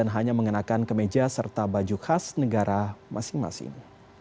hanya mengenakan kemeja serta baju khas negara masing masing